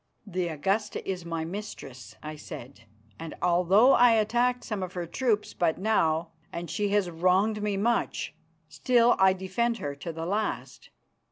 "The Augusta is my mistress," I said, "and although I attacked some of her troops but now, and she has wronged me much, still I defend her to the last."